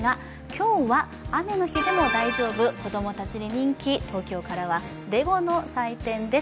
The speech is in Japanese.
今日は、雨の日でも大丈夫、子供たちに人気、東京からはレゴの祭典です